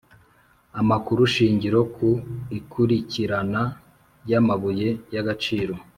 Amakurushingiro ku ikurikirana ryamabuye yagaciro